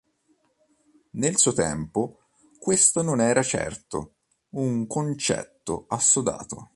Nel suo tempo questo non era certo un concetto assodato.